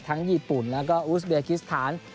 ทั้งญี่ปุ่นแล้วก็อูสเบียคิสธาน